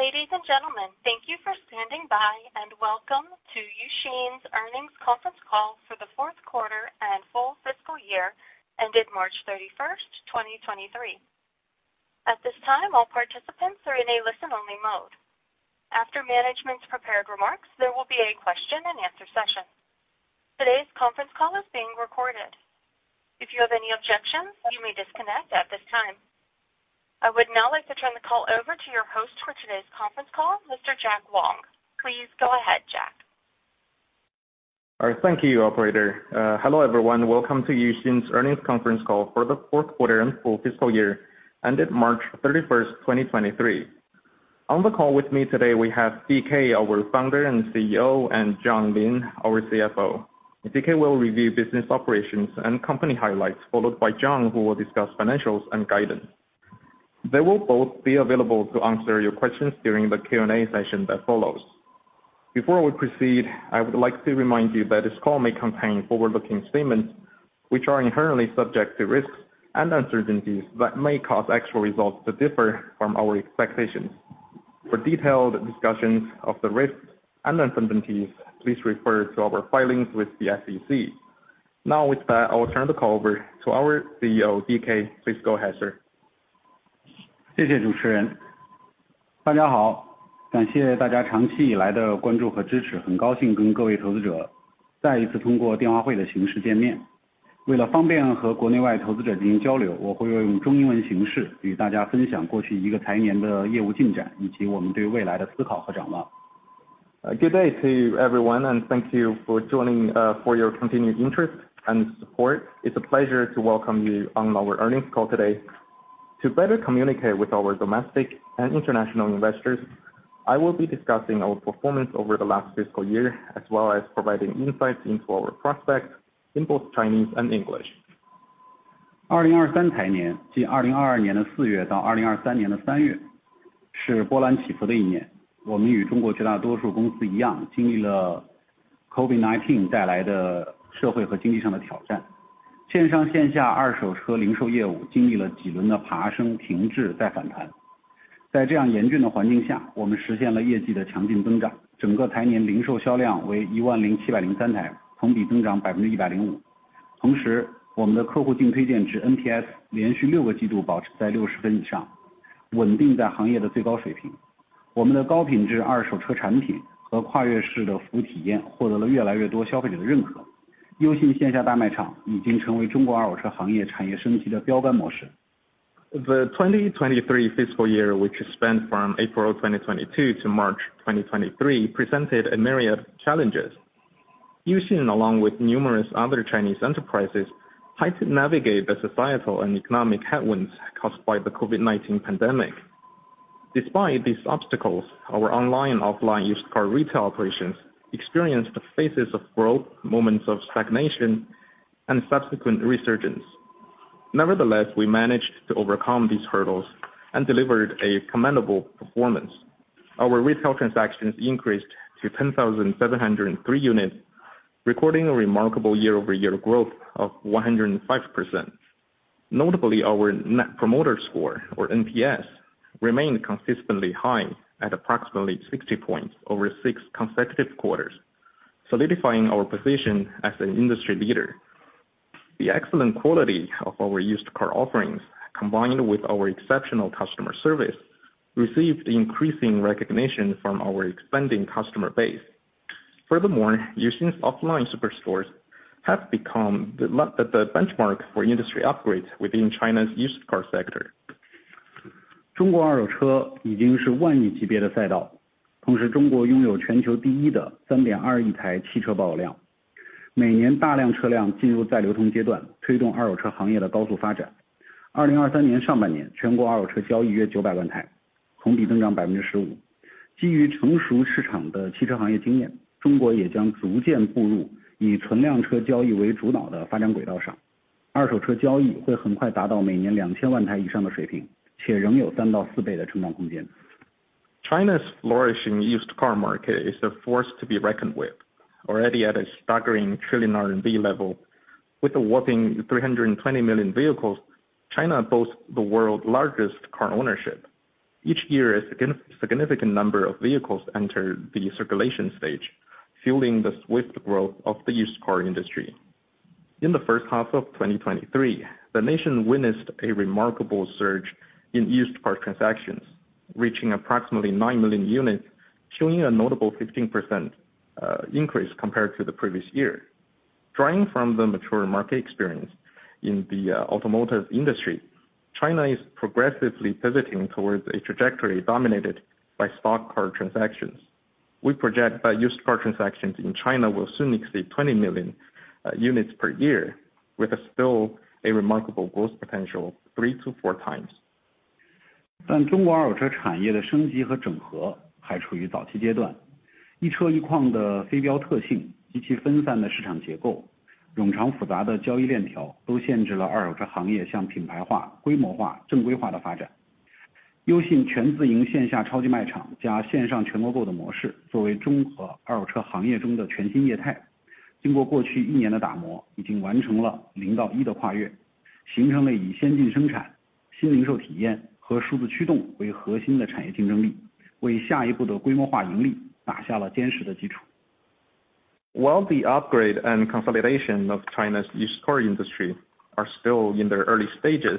Ladies and gentlemen, thank you for standing by, and welcome to Uxin's earnings conference call for the fourth quarter and full fiscal year, ended March 31, 2023. At this time, all participants are in a listen-only mode. After management's prepared remarks, there will be a question-and-answer session. Today's conference call is being recorded. If you have any objections, you may disconnect at this time. I would now like to turn the call over to your host for today's conference call, Mr. Jack Wang. Please go ahead, Jack. All right. Thank you, operator. Hello, everyone. Welcome to Uxin's Earnings conference call for the fourth quarter and full fiscal year, ended March 31, 2023. On the call with me today, we have DK, our Founder and CEO, and John Lin, our CFO. DK will review business operations and company highlights, followed by John, who will discuss financials and guidance. They will both be available to answer your questions during the Q&A session that follows. Before we proceed, I would like to remind you that this call may contain forward-looking statements, which are inherently subject to risks and uncertainties that may cause actual results to differ from our expectations. For detailed discussions of the risks and uncertainties, please refer to our filings with the SEC. Now, with that, I will turn the call over to our CEO, DK. Please go ahead, sir. Good day to everyone, and thank you for joining, for your continued interest and support. It's a pleasure to welcome you on our earnings call today. To better communicate with our domestic and international investors, I will be discussing our performance over the last fiscal year, as well as providing insights into our prospects in both Chinese and English. The 2023 fiscal year, which spanned from April 2022 to March 2023, presented a myriad of challenges. Uxin, along with numerous other Chinese enterprises, tried to navigate the societal and economic headwinds caused by the COVID-19 pandemic. Despite these obstacles, our online and offline used car retail operations experienced phases of growth, moments of stagnation, and subsequent resurgence. We managed to overcome these hurdles and delivered a commendable performance. Our retail transactions increased to 10,703 units, recording a remarkable year-over-year growth of 105%. Notably, our Net Promoter Score, or NPS, remained consistently high at approximately 60 points over six consecutive quarters, solidifying our position as an industry leader. The excellent quality of our used car offerings, combined with our exceptional customer service, received increasing recognition from our expanding customer base. Furthermore, Uxin's offline superstores have become the benchmark for industry upgrades within China's used car sector. China's flourishing used car market is a force to be reckoned with, already at a staggering 1 trillion RMB level. With a whopping 320 million vehicles, China boasts the world's largest car ownership. Each year, a significant number of vehicles enter the circulation stage, fueling the swift growth of the used car industry. In the first half of 2023, the nation witnessed a remarkable surge in used car transactions, reaching approximately 9 million units, showing a notable 15% increase compared to the previous year. Drawing from the mature market experience in the automotive industry, China is progressively pivoting towards a trajectory dominated by stock car transactions. We project that used car transactions in China will soon exceed 20 million units per year, with still a remarkable growth potential, 3x-4x.... 形成了以先进生产、新零售体验和数字驱动为核心的产业竞争 力， 为下一步的规模化盈利打下了坚实的基础。While the upgrade and consolidation of China's used car industry are still in their early stages,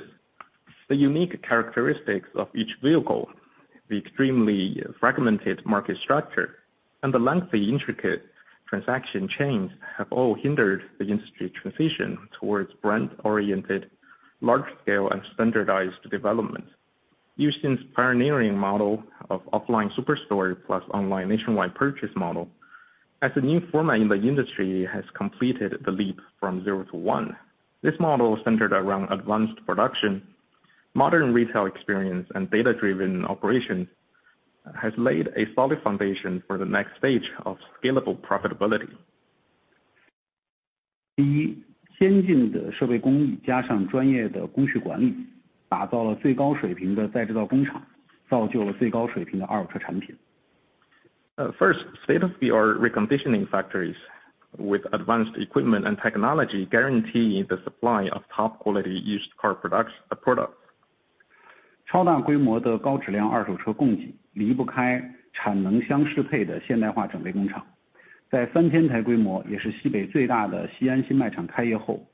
the unique characteristics of each vehicle, the extremely fragmented market structure, and the lengthy, intricate transaction chains have all hindered the industry transition towards brand-oriented, large-scale, and standardized development. Uxin's pioneering model of offline superstore plus online nationwide purchase model, as a new format in the industry, has completed the leap from zero to one. This model, centered around advanced production, modern retail experience, and data-driven operation, has laid a solid foundation for the next stage of scalable profitability. 第 一， 先进的设备工 艺， 加上专业的工序管 理， 打造了最高水平的再制造工 厂， 造就了最高水平的二手车产品。First, state-of-the-art reconditioning factories with advanced equipment and technology guarantee the supply of top-quality used car products. 超大规模的高质量二手车供 给, 离不开产能相适配的现代化整备工 厂. 在 3,000 台规 模, 也是西北最大的 Xi'an 新卖场开业 后,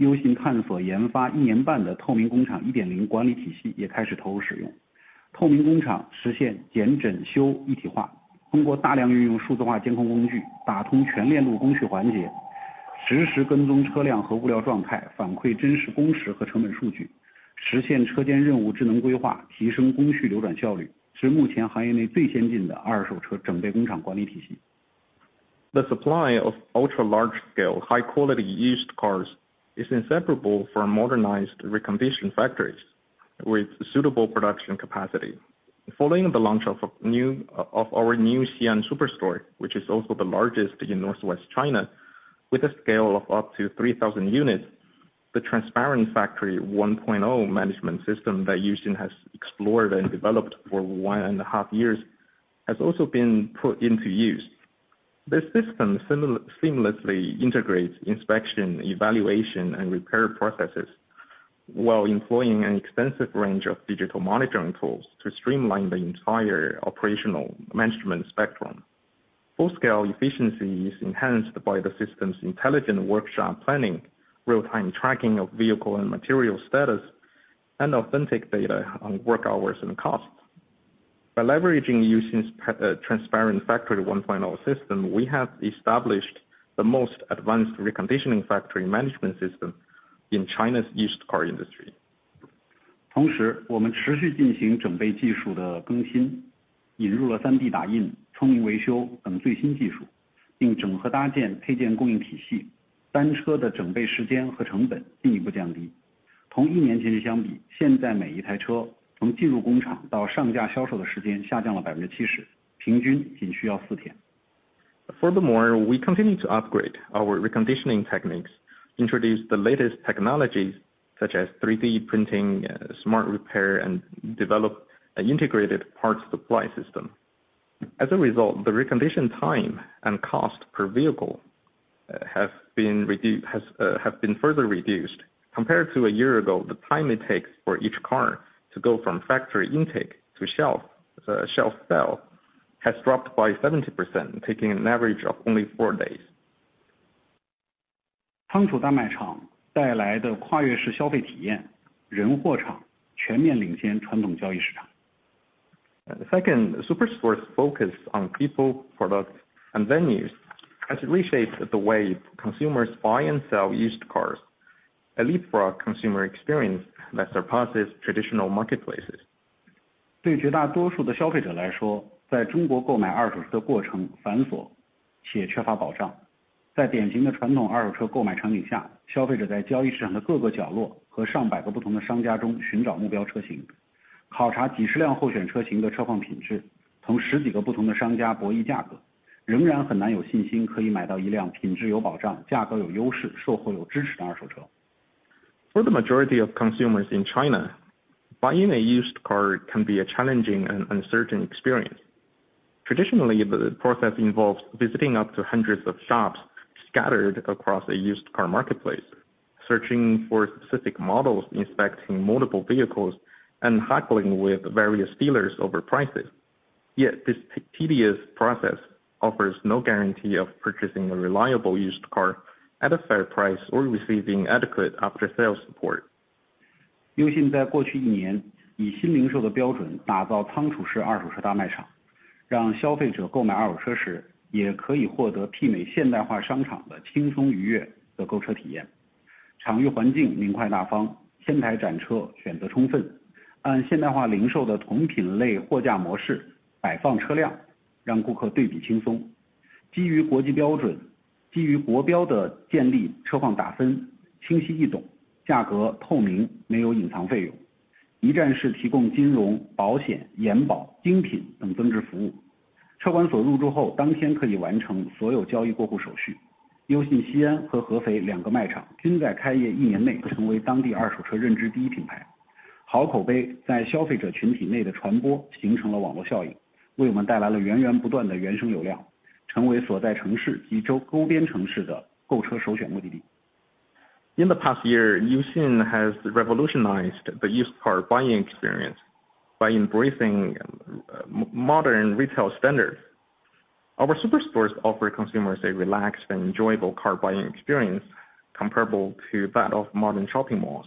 Uxin 探索研发 1.5 年的 Transparent Factory 1.0 管理体系也开始投入使 用. Transparent Factory 实现 检, 整, 修一体 化, 通过大量运用数字化监控工 具, 打通全链路工序环 节, 实时跟踪车辆和物料状 态, 反馈真实工时和成本数 据, 实现车间任务智能规 划, 提升工序流转效 率, 是目前行业内最先进的二手车整备工厂管理体 系. The supply of ultra-large-scale, high-quality used cars is inseparable from modernized reconditioning factories with suitable production capacity. Following the launch of our new Xi'an superstore, which is also the largest in northwest China, with a scale of up to 3,000 units, the Transparent Factory 1.0 management system that Uxin has explored and developed for 1.5 years has also been put into use. This system seamlessly integrates inspection, evaluation, and repair processes, while employing an extensive range of digital monitoring tools to streamline the entire operational management spectrum. Full-scale efficiency is enhanced by the system's intelligent workshop planning, real-time tracking of vehicle and material status, and authentic data on work hours and costs. By leveraging Uxin's Transparent Factory 1.0 system, we have established the most advanced reconditioning factory management system in China's used car industry. 同 时， 我们持续进行整备技术的更 新， 引入了三 D 打印、聪明维修等最新技 术， 并整合搭建配件供应体 系， 单车的整备时间和成本进一步降低。同一年前相 比， 现在每一台车从进入工厂到上架销售的时间下降了百分之七 十， 平均仅需要四天。Furthermore, we continue to upgrade our reconditioning techniques, introduce the latest technologies such as 3D printing, Smart repair, and develop an integrated parts supply system. As a result, the recondition time and cost per vehicle have been further reduced. Compared to a year ago, the time it takes for each car to go from factory intake to shelf, shelf sale, has dropped by 70%, taking an average of only four days. 仓储大卖场带来的跨越式消费体 验， 人、货、场全面领先传统交易市场。Second, superstores focus on people, products, and venues as it reshapes the way consumers buy and sell used cars, a leapfrog consumer experience that surpasses traditional marke places. 对绝大多数的消费者来 说， 在中国购买二手车的过程繁琐且缺乏保障。在典型的传统二手车购买场景 下， 消费者在交易市场的各个角落和上百个不同的商家中寻找目标车 型， 考察几十辆候选车型的车况品 质， 从十几个不同的商家博弈价 格， 仍然很难有信心可以买到一辆品质有保障、价格有优势、售后有支持的二手车。For the majority of consumers in China, buying a used car can be a challenging and uncertain experience. Traditionally, the process involves visiting up to hundreds of shops scattered across a used car marketplace, searching for specific models, inspecting multiple vehicles, and haggling with various dealers over prices. Yet, this tedious process offers no guarantee of purchasing a reliable used car at a fair price or receiving adequate after-sales support. Uxin 在过去一 年， 以新零售的标准打造仓储式二手车 大卖场， 让消费者购买二手车 时， 也可以获得媲美现代化商场的轻松愉悦的购车体验。场域环境明快 大方， 仙台展车选择 充分， 按现代化零售的同品类货架模式摆放 车辆， 让顾客对比轻松。基于国际 标准， 基于国标的 建立， 车况打分清晰 易懂， 价格 透明， 没有隐藏费用。一站式提供金融、保险、延保、精品等 Value-added services。车管所入驻 后， 当天可以完成所有交易过户手续。Uxin Xi'an 和 Hefei 两个卖场均在开业一年内成为当地二手车认知第一 品牌. 好口碑在消费者群体内的传播形成了网络效 应， 为我们带来了源源不断的原生流量，成为所在城市及周边城市的购车首选目的地。In the past year, Uxin has revolutionized the used car buying experience by embracing modern retail standards. Our superstores offer consumers a relaxed and enjoyable car buying experience comparable to that of modern shopping malls.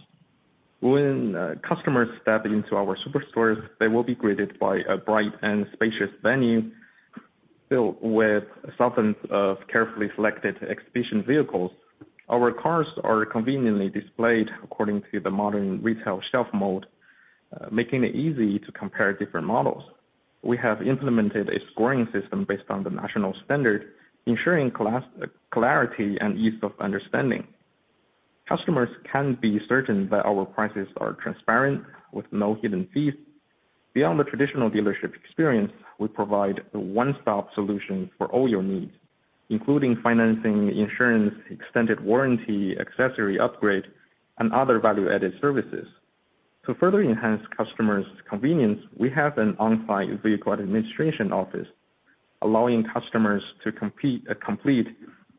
When customers step into our superstores, they will be greeted by a bright and spacious venue filled with thousands of carefully selected exhibition vehicles. Our cars are conveniently displayed according to the modern retail shelf mode, making it easy to compare different models. We have implemented a scoring system based on the national standard, ensuring class, clarity and ease of understanding. Customers can be certain that our prices are transparent, with no hidden fees. Beyond the traditional dealership experience, we provide a one-stop solution for all your needs, including financing, insurance, extended warranty, accessory upgrade, and other Value-added services. To further enhance customers' convenience, we have an on-site vehicle administration office, allowing customers to complete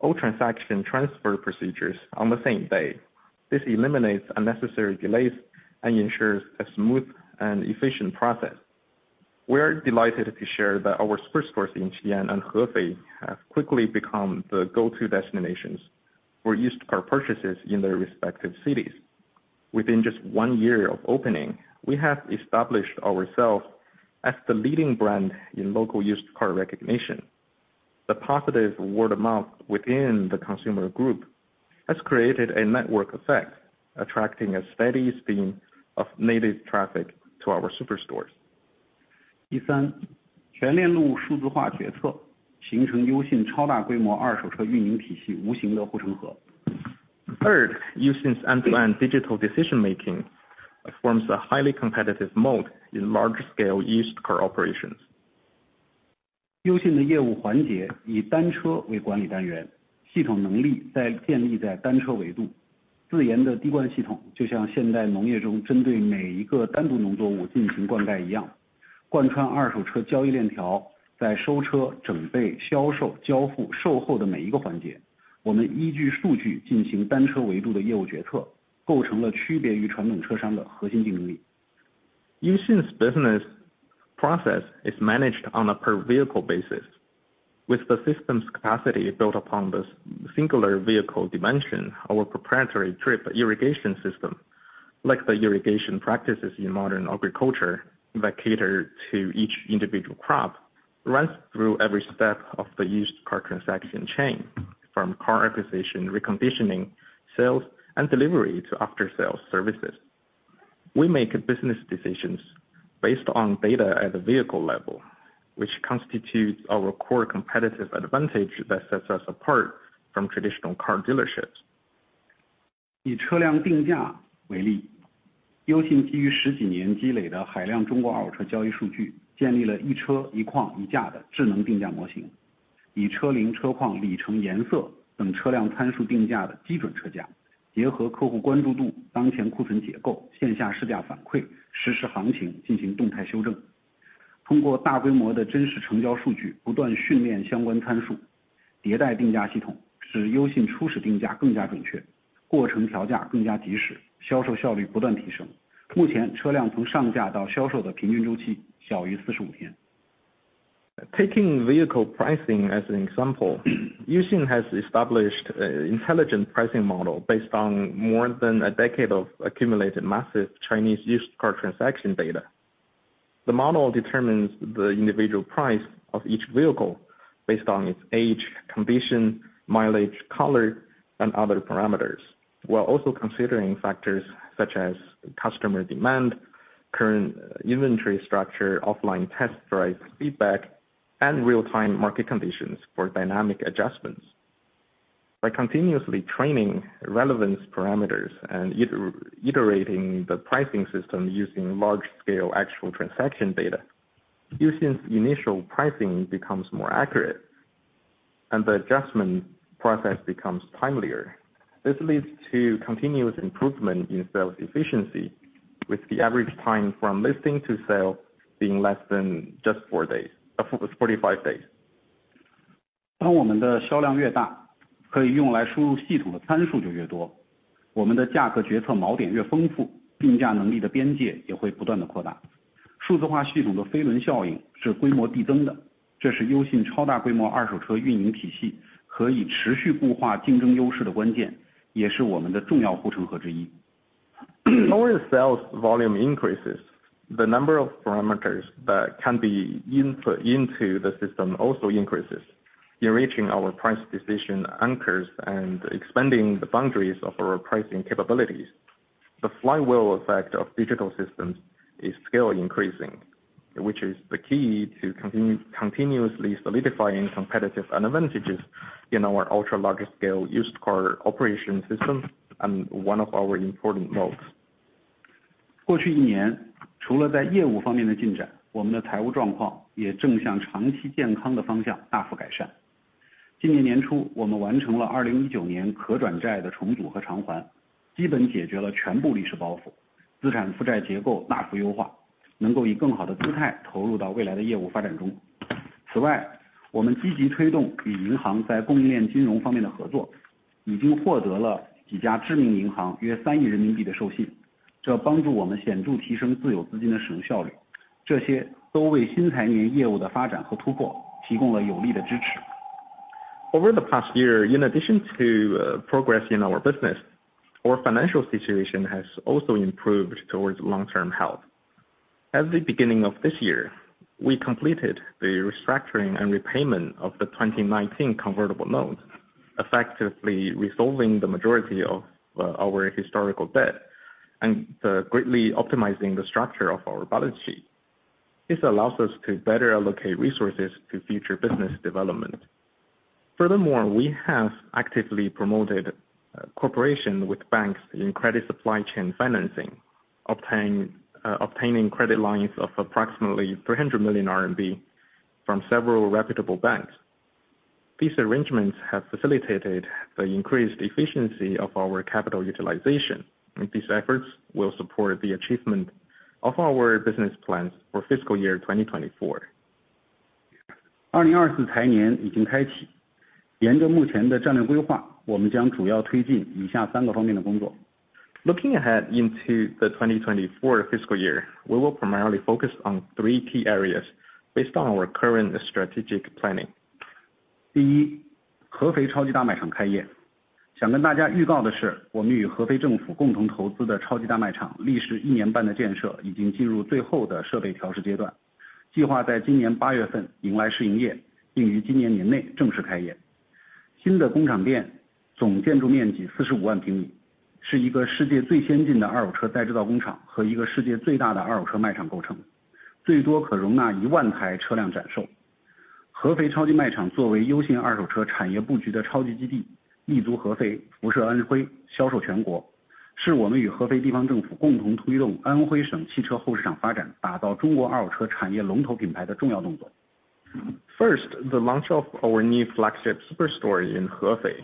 all transaction transfer procedures on the same day. This eliminates unnecessary delays and ensures a smooth and efficient process. We are delighted to share that our superstores in Xi'an and Hefei have quickly become the go-to destinations for used car purchases in their respective cities. Within just one year of opening, we have established ourselves as the leading brand in local used car recognition. The positive word of mouth within the consumer group has created a network effect, attracting a steady stream of native traffic to our superstores. 第 三， 全链路数字化决 策， 形成优信超大规模二手车运营体 系， 无形的护城河。Third, Uxin's end-to-end digital decision making forms a highly competitive mode in large scale used car operations. 优信的业务环节以单车为管理单 元， 系统能力在建立在单车维度。自研的滴灌系 统， 就像现代农业中针对每一个单独农作物进行灌溉一样，贯穿二手车交易链条。在收车、整备、销售、交付、售后的每一个环 节， 我们依据数据进行单车维度的业务决 策， 构成了区别于传统车商的核心竞争力。Uxin's business process is managed on a per vehicle basis, with the system's capacity built upon the singular vehicle dimension. Our proprietary drip irrigation system, like the irrigation practices in modern agriculture that cater to each individual crop, runs through every step of the used car transaction chain, from car acquisition, reconditioning, sales, and delivery to after sales services. We make business decisions based on data at the vehicle level, which constitutes our core competitive advantage that sets us apart from traditional car dealerships. 以车辆定价为例，优信基于十几年积累的海量中国二手车交易数 据， 建立了一车一况一价的智能定价模 型， 以车龄、车况、里程、颜色等车辆参数定价的基准车 价， 结合客户关注度、当前库存结构、线下试驾反馈、实时行情进行动态修正。通过大规模的真实成交数 据， 不断训练相关参 数， 迭代定价系 统， 使优信初始定价更加准 确， 过程调价更加及 时， 销售效率不断提升。目 前， 车辆从上架到销售的平均周期小于45 天。Taking vehicle pricing as an example, Uxin has established an intelligent pricing model based on more than a decade of accumulated massive Chinese used car transaction data. The model determines the individual price of each vehicle based on its age, condition, mileage, color, and other parameters, while also considering factors such as customer demand, current inventory structure, offline test drive feedback, and real-time market conditions for dynamic adjustments. By continuously training relevance parameters and iterating the pricing system using large-scale actual transaction data, Uxin's initial pricing becomes more accurate, and the adjustment process becomes timelier. This leads to continuous improvement in sales efficiency, with the average time from listing to sale being less than just four days, 45 days. 当我们的销量越 大， 可以用来输入系统的参数就越 多， 我们的价格决策锚点越丰 富， 定价能力的边界也会不断地扩大。数字化系统的飞轮效应是规模递增 的， 这是优信超大规模二手车运营体系可以持续固化竞争优势的关键，也是我们的重要护城河之一。As our sales volume increases, the number of parameters that can be input into the system also increases, enriching our price decision anchors and expanding the boundaries of our pricing capabilities. The flywheel effect of digital systems is scale increasing, which is the key to continuously solidifying competitive advantages in our ultra large scale used car operation system, and one of our important goals. 过去一 年， 除了在业务方面的进 展， 我们的财务状况也正向长期健康的方向大幅改善今年年 初， 我们完成了2019年可转债的重组和偿 还， 基本解决了全部历史包 袱， 资产负债结构大幅优 化， 能够以更好的姿态投入到未来的业务发展中。此 外， 我们积极推动与银行在供应链金融方面的合 作， 已经获得了几家知名银行约 CNY 300 million 的授 信， 这帮助我们显著提升自有资金的使用效率。这些都为新财年业务的发展和突破提供了有力的支持。Over the past year, in addition to progress in our business, our financial situation has also improved towards long-term health. At the beginning of this year, we completed the restructuring and repayment of the 2019 Convertible notes, effectively resolving the majority of our historical debt and greatly optimizing the structure of our balance sheet. This allows us to better allocate resources to future business development. Furthermore, we have actively promoted cooperation with banks in credit supply chain financing, obtaining, obtaining credit lines of approximately 300 million RMB from several reputable banks. These arrangements have facilitated the increased efficiency of our capital utilization, these efforts will support the achievement of our business plans for fiscal year 2024. 2024. 财年已经开 启， 沿着目前的战略规 划， 我们将主要推进以下三个方面的工作。Looking ahead into the 2024 fiscal year, we will primarily focus on three key areas based on our current strategic planning. 第 一， 合肥超级大卖场开业。想跟大家预告的 是， 我们与合肥政府共同投资的超级大卖 场， 历时一年半的建 设， 已经进入最后的设备调试阶 段， 计划在今年八月份迎来试营 业， 并于今年年内正式开业。新的工厂店总建筑面积四十五万平 米， 是一个世界最先进的二手车再制造工 厂， 和一个世界最大的二手车卖场构 成， 最多可容纳一万台车辆展售。合肥超级卖场作为优信二手车产业布局的超级基 地， 立足合 肥， 辐射安 徽， 销售全 国， 是我们与合肥地方政府共同推动安徽省汽车后市场发 展， 打造中国二手车产业龙头品牌的重要动作。First, the launch of our new flagship super store in Hefei.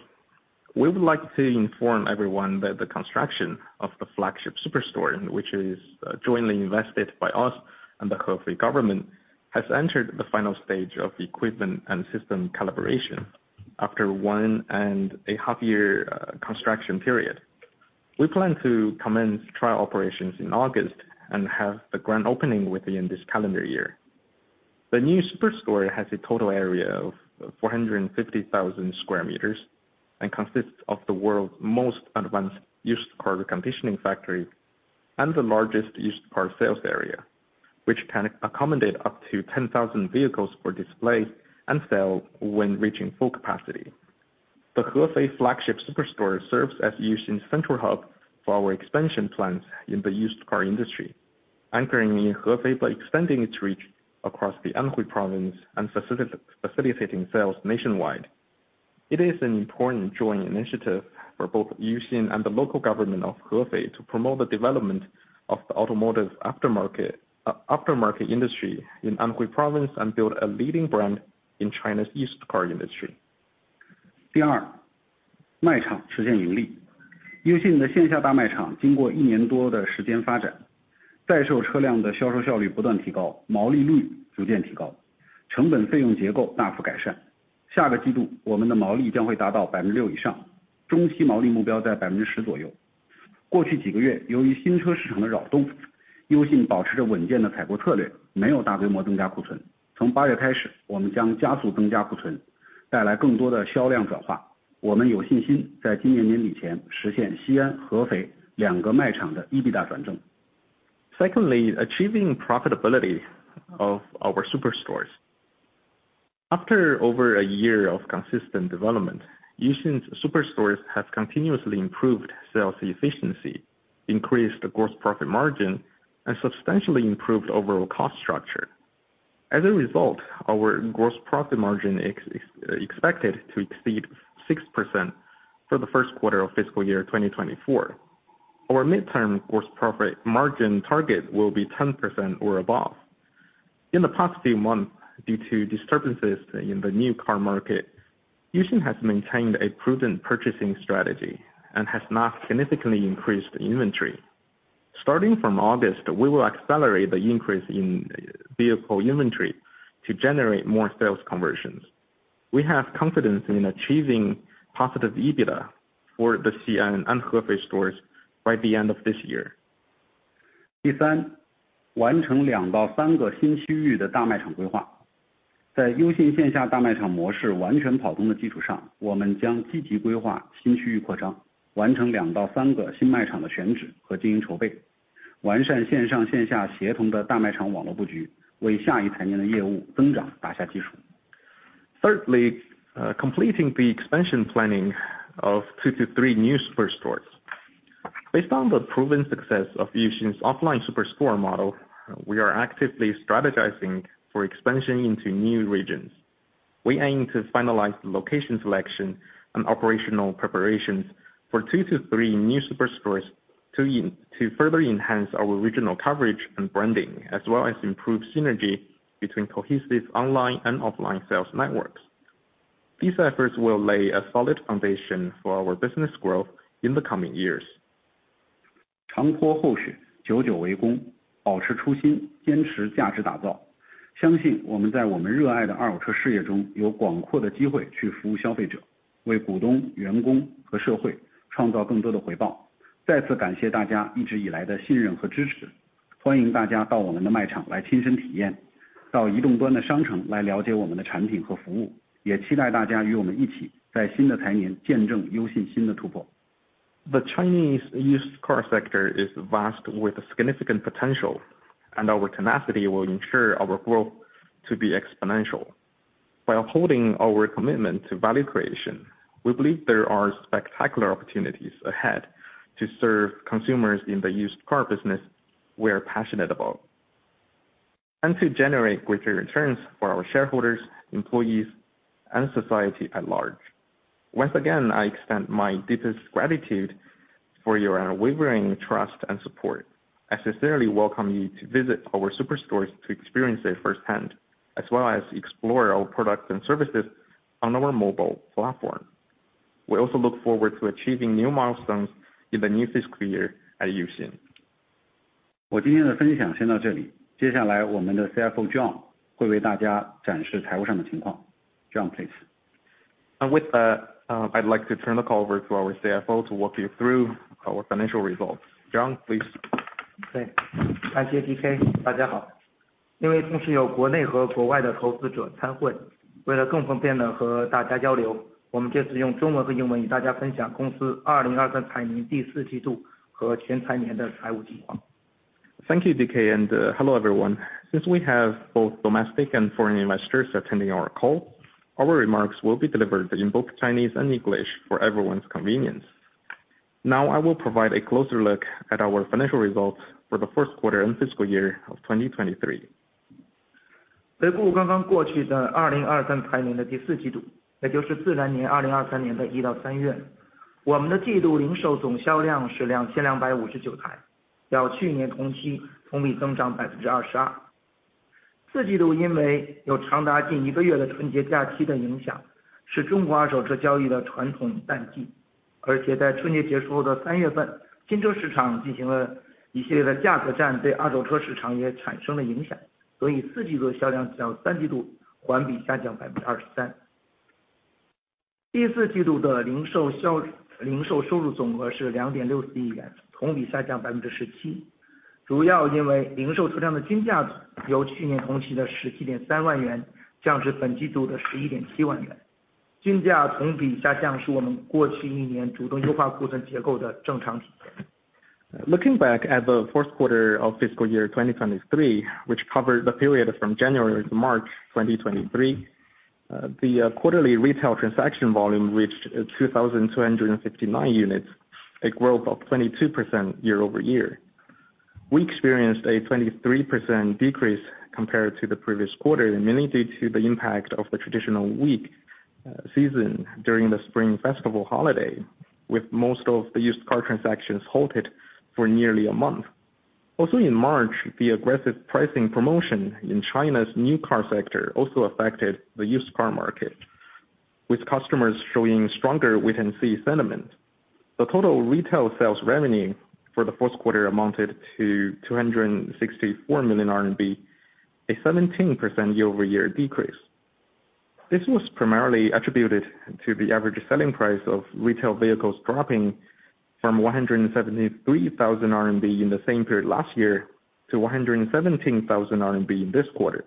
We would like to inform everyone that the construction of the flagship super store, which is jointly invested by us and the Hefei government, has entered the final stage of equipment and system calibration after one and a half year, construction period. We plan to commence trial operations in August and have the grand opening within this calendar year. The new super store has a total area of 450,000 square meters and consists of the world's most advanced used car reconditioning factory and the largest used car sales area, which can accommodate up to 10,000 vehicles for display and sale when reaching full capacity. The Hefei flagship superstore serves as Uxin's central hub for our expansion plans in the used car industry, anchoring in Hefei by extending its reach across the Anhui province and facilitating sales nationwide. It is an important joint initiative for both Uxin and the local government of Hefei to promote the development of the automotive aftermarket, aftermarket industry in Anhui province and build a leading brand in China's used car industry. 第 二， 卖场实现盈利。优信的线下大卖场经过一年多的时间发 展， 再售车辆的销售效率不断提 高， 毛利率逐渐提 高， 成本费用结构大幅改善。下个季 度， 我们的毛利将会达到百分之六以 上， 中期毛利目标在百分之十左右。过去几个 月， 由于新车市场的扰 动， 优信保持着稳健的采购策 略， 没有大规模增加库存。从八月开 始， 我们将加速增加 存， 带来更多的销量转化。我们有信心在今年年底前实现西安、合肥两个卖场的 EBITDA 转正。Secondly, achieving profitability of our super stores. After over a year of consistent development, Uxin's super stores have continuously improved sales efficiency, increased gross profit margin, and substantially improved overall cost structure. As a result, our gross profit margin expected to exceed 6% for the first quarter of fiscal year 2024. Our midterm gross profit margin target will be 10% or above. In the past few months, due to disturbances in the new car market, Uxin has maintained a prudent purchasing strategy and has not significantly increased inventory. Starting from August, we will accelerate the increase in vehicle inventory to generate more sales conversions. We have confidence in achieving positive EBITDA for the Xi'an and Hefei stores by the end of this year. 第 三， 完成两到三个新区域的大卖场规划。在优信线下大卖场模式完成跑通的基础 上， 我们将积极规划新区域扩 张， 完成两到三个新卖场的选址和经营筹 备， 完善线上线下协同的大卖场网络布 局， 为下一财年的业务增长打下基础。Thirdly, completing the expansion planning of two to three new super stores. Based on the proven success of Uxin's offline super store model, we are actively strategizing for expansion into new regions. We aim to finalize the location selection and operational preparations for two to three new super stores to further enhance our regional coverage and branding, as well as improve synergy between cohesive online and offline sales networks. These efforts will lay a solid foundation for our business growth in the coming years. 长坡厚 雪， 久久为 功， 保持初 心， 坚持价值打造。相信我们在我们热爱的二手车事业中有广阔的机会去服务消费 者， 为股东、员工和社会创造更多的回报。再次感谢大家一直以来的信任和支 持， 欢迎大家到我们的卖场来亲身体 验， 到移动端的商城来了解我们的产品和服 务， 也期待大家与我们一起在新的财年见证优信新的突破。The Chinese used car sector is vast with significant potential, and our tenacity will ensure our growth to be exponential. By upholding our commitment to value creation, we believe there are spectacular opportunities ahead to serve consumers in the used car business we are passionate about, and to generate greater returns for our shareholders, employees, and society at large. Once again, I extend my deepest gratitude for your unwavering trust and support. I sincerely welcome you to visit our super stores to experience it firsthand, as well as explore our products and services on our mobile platform. We also look forward to achieving new milestones in the new fiscal year at Uxin. 我今天的分享先到这里。接下 来， 我们的 CFO John 会为大家展示财务上的情况。John, please. With that, I'd like to turn the call over to our CFO to walk you through our financial results. John, please. 对， 感谢 DK。大家 好！ 因为同时有国内和国外的投资者参 会， 为了更方便地和大家交 流， 我们这次用中文和英文与大家分享公司二零二三财年第四季度和全财年的财务情况。Thank you, DK, and hello, everyone. Since we have both domestic and foreign investors attending our call, our remarks will be delivered in both Chinese and English for everyone's convenience. Now I will provide a closer look at our financial results for the first quarter and fiscal year of 2023. 回顾刚刚过去的二零二三财年的第四季 度， 也就是自然年二零二三年的一到三 月， 我们的季度零售总销量是两千两百五十九 台， 较去年同期同比增长百分之二十二。四季度因为有长达近一个月的春节假期的影 响， 是中国二手车交易的传统淡 季， 而且在春节结束后的三月 份， 新车市场进行了一系列的价格 战， 对二手车市场也产生了影 响， 所以四季度销量较三季度环比下降百分之二十三。第四季度的零售销——零售收入总和是两点六四亿 元， 同比下降百分之十 七， 主要因为零售出量的均价由去年同期的十七点三万元降至本季度的十一点七万元。均价同比下 降， 是我们过去一年主动优化库存结构的正常体现。Looking back at the fourth quarter of fiscal year 2023, which covered the period from January to March 2023, the quarterly retail transaction volume reached 2,259 units, a growth of 22% year-over-year. We experienced a 23% decrease compared to the previous quarter, mainly due to the impact of the traditional weak season during the Spring Festival holiday, with most of the used car transactions halted for nearly one month. In March, the aggressive pricing promotion in China's new car sector also affected the used car market, with customers showing stronger wait-and-see sentiment. The total retail sales revenue for the fourth quarter amounted to 264 million RMB, a 17% year-over-year decrease. This was primarily attributed to the average selling price of retail vehicles, dropping from 173,000 RMB in the same period last year to 117,000 RMB in this quarter.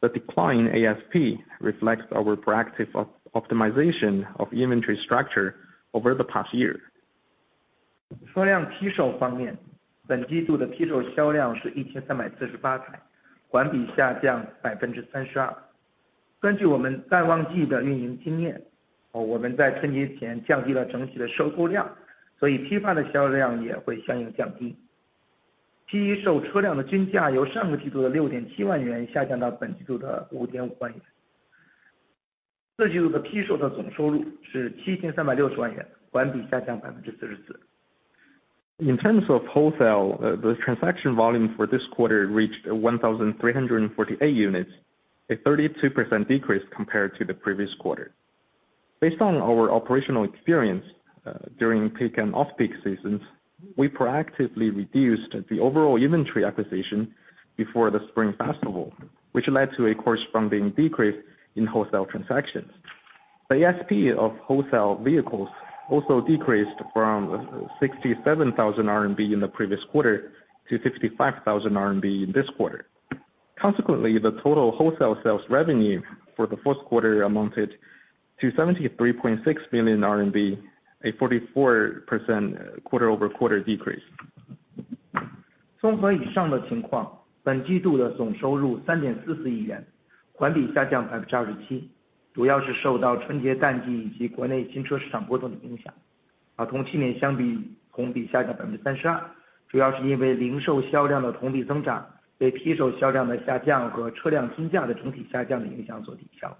The decline in ASP reflects our proactive optimization of inventory structure over the past year. 车辆批售方 面， 本季度的批售销量是一千三百四十八 台， 环比下降百分之三十二。根据我们淡旺季的运营经 验， 哦， 我们在春节前降低了整体的收购 量， 所以批发的销量也会相应降低。批售车辆的均价由上个季度的六点七万元下降到本季度的五点五万元。四季度的批售的总收入是七千三百六十万 元， 环比下降百分之四十四。In terms of wholesale, the transaction volume for this quarter reached 1,348 units, a 32% decrease compared to the previous quarter. Based on our operational experience, during peak and off-peak seasons, we proactively reduced the overall inventory acquisition before the Spring Festival, which led to a corresponding decrease in wholesale transactions. The ASP of wholesale vehicles also decreased from 67,000 RMB in the previous quarter to 65,000 RMB in this quarter. Consequently, the total wholesale sales revenue for the first quarter amounted to 73.6 million RMB, a 44% quarter-over-quarter decrease. 综合以上的情 况， 本季度的总收入三点四四亿 元， 环比下降百分之二十 七， 主要是受到春节淡季以及国内新车市场波动的影 响， 而同去年相 比， 同比下降百分之三十 二， 主要是因为零售销量的同比增 长， 对批售销量的下降和车辆均价的整体下降的影响所抵消。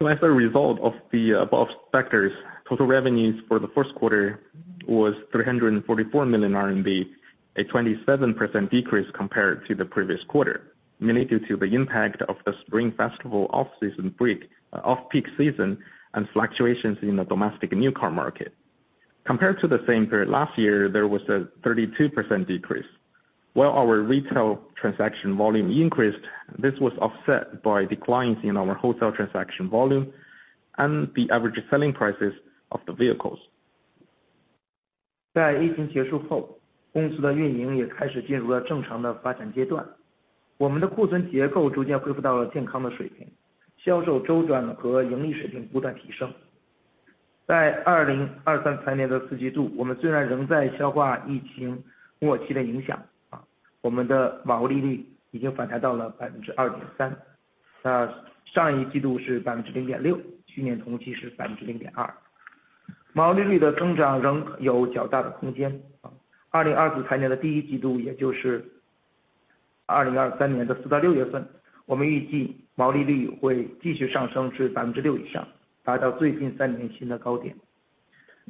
As a result of the above factors, total revenues for the first quarter was 344 million RMB, a 27% decrease compared to the previous quarter, mainly due to the impact of the Spring Festival off-season break, off-peak season and fluctuations in the domestic new car market. Compared to the same period last year, there was a 32% decrease, while our retail transaction volume increased. This was offset by declines in our wholesale transaction volume and the average selling prices of the vehicles.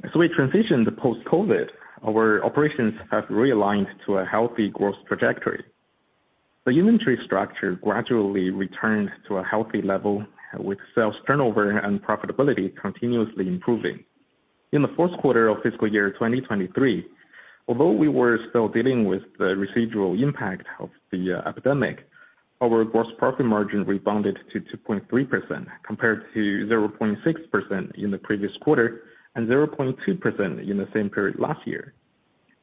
As we transition to post-COVID, our operations have realigned to a healthy growth trajectory. The inventory structure gradually returns to a healthy level, with sales turnover and profitability continuously improving. In the fourth quarter of fiscal year 2023, although we were still dealing with the residual impact of the epidemic, our gross profit margin rebounded to 2.3%, compared to 0.6% in the previous quarter and 0.2% in the same period last year.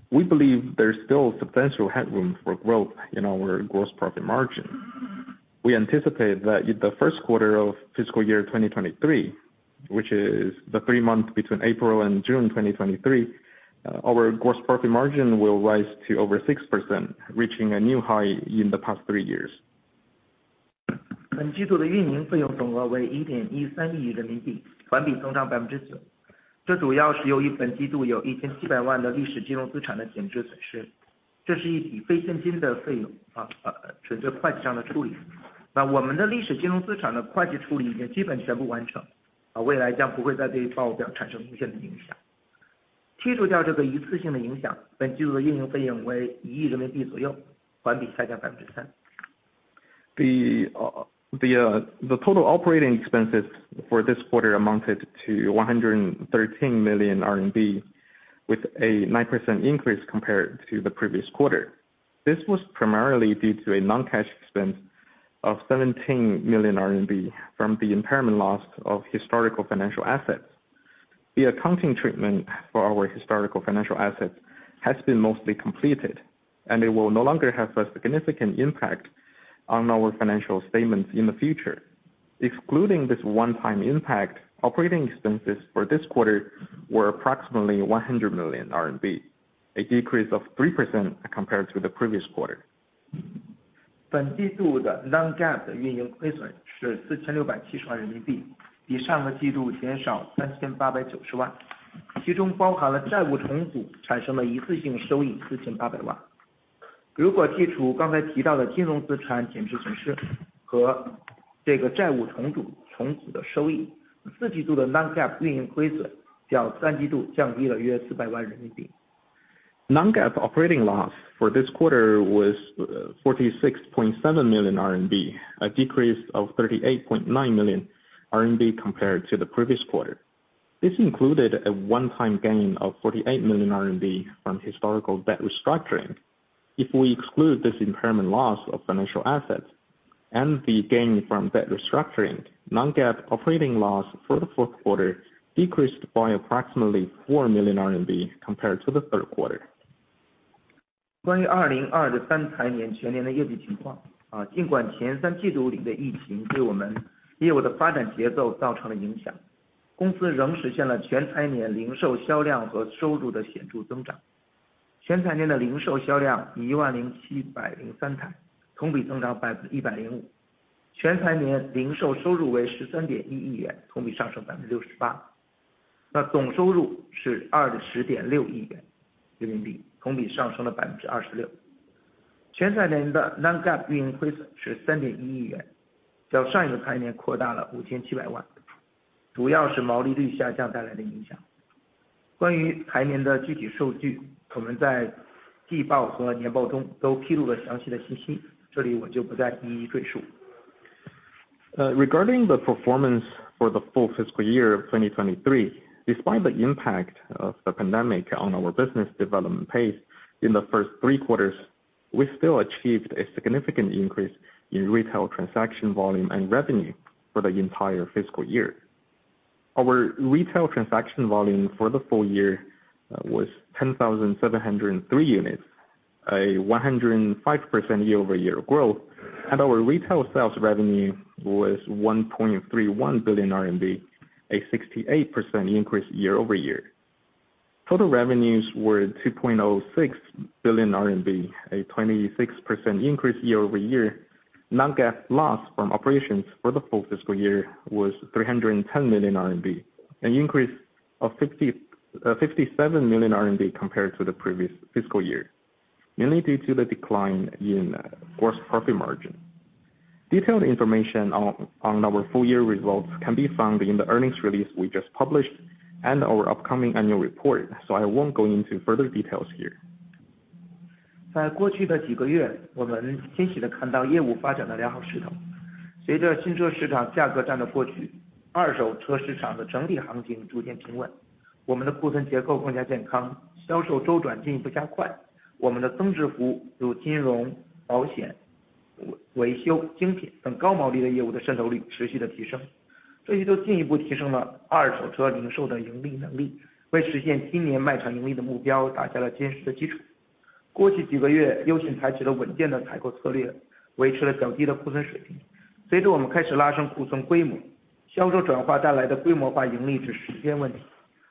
We believe there is still substantial headroom for growth in our gross profit margin. We anticipate that in the first quarter of fiscal year 2023, which is the three months between April and June 2023, our gross profit margin will rise to over 6%, reaching a new high in the past three years. The total operating expenses for this quarter amounted to 113 million RMB, with a 9% increase compared to the previous quarter. This was primarily due to a non-cash expense of 17 million RMB from the impairment loss of historical financial assets. The accounting treatment for our historical financial assets has been mostly completed, and it will no longer have a significant impact on our financial statements in the future. Excluding this one-time impact, operating expenses for this quarter were approximately 100 million RMB, a decrease of 3% compared to the previous quarter. Non-GAAP operating loss for this quarter was 46.7 million RMB, a decrease of 38.9 million RMB compared to the previous quarter. This included a one-time gain of 48 million RMB from historical debt restructuring. If we exclude this impairment loss of financial assets and the gain from debt restructuring, Non-GAAP operating loss for the fourth quarter decreased by approximately 4 million RMB compared to the third quarter. Regarding the performance for the full fiscal year of 2023, despite the impact of the pandemic on our business development pace in the first three quarters, we still achieved a significant increase in retail transaction volume and revenue for the entire fiscal year. Our retail transaction volume for the full year was 10,703 units, a 105% year-over-year growth. Our retail sales revenue was 1.31 billion RMB, a 68% increase year-over-year. Total revenues were 2.06 billion RMB, a 26% increase year-over-year. Non-GAAP operating loss for the full fiscal year was 310 million RMB, an increase of 57 million RMB compared to the previous fiscal year, mainly due to the decline in gross profit margin. Detailed information on our full year results can be found in the earnings release we just published and our upcoming annual report, so I won't go into further details here.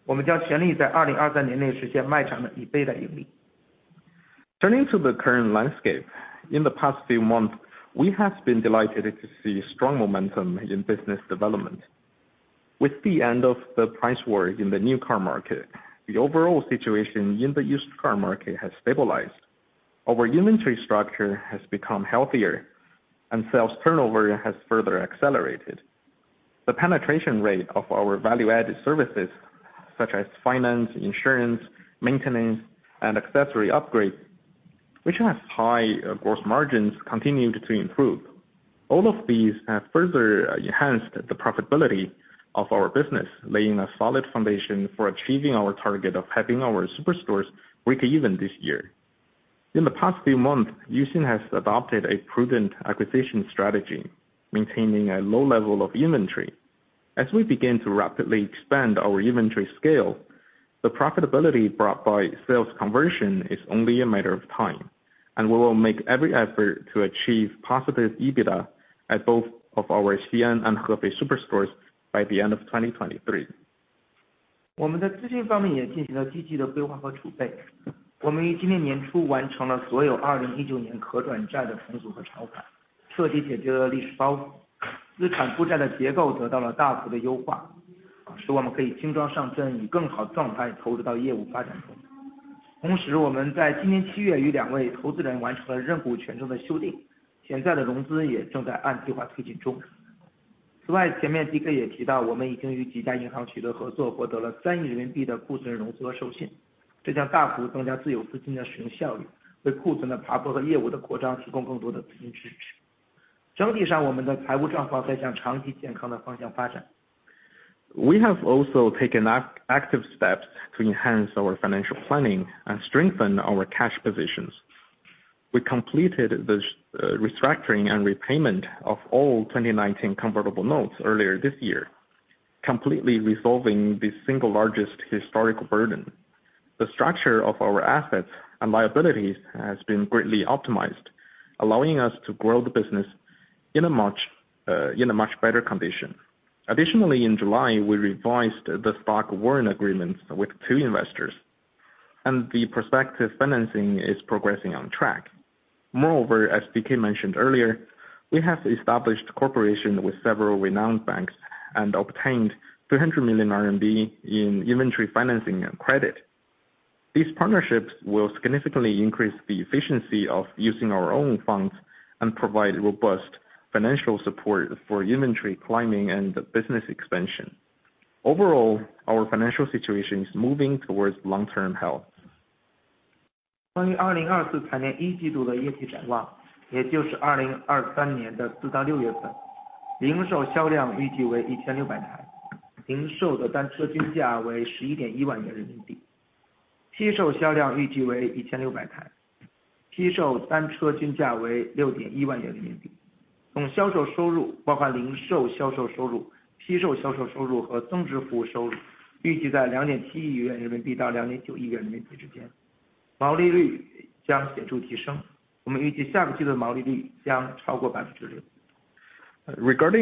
Turning to the current landscape, in the past few months, we have been delighted to see strong momentum in business development. With the end of the price war in the new car market, the overall situation in the used car market has stabilized. Our inventory structure has become healthier, and sales turnover has further accelerated. The penetration rate of our value-added services, such as finance, insurance, maintenance, and accessory upgrades, which has high gross margins, continued to improve. All of these have further enhanced the profitability of our business, laying a solid foundation for achieving our target of having our superstores break even this year. In the past few months, Uxin has adopted a prudent acquisition strategy, maintaining a low level of inventory. As we begin to rapidly expand our inventory scale, the profitability brought by sales conversion is only a matter of time, and we will make every effort to achieve positive EBITDA at both of our Xi'an and Hefei superstores by the end of 2023. We have also taken active steps to enhance our financial planning and strengthen our cash positions. We completed the restructuring and repayment of all 2019 Convertible notes earlier this year, completely resolving the single largest historical burden. The structure of our assets and liabilities has been greatly optimized, allowing us to grow the business in a much, in a much better condition. Additionally, in July, we revised the stock warrant agreements with two investors, and the prospective financing is progressing on track. Moreover, as DK mentioned earlier, we have established cooperation with several renowned banks and obtained 300 million RMB in inventory financing and credit. These partnerships will significantly increase the efficiency of using our own funds and provide robust financial support for inventory climbing and business expansion. Overall, our financial situation is moving towards long-term health. Regarding